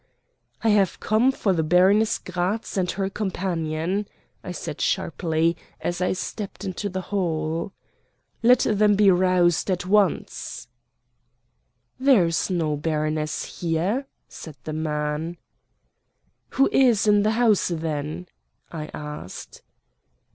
"I have come for the Baroness Gratz and her companion," I said sharply as I stepped into the hall. "Let them be roused at once." "There's no baroness here," said the man. "Who is in the house, then?" I asked.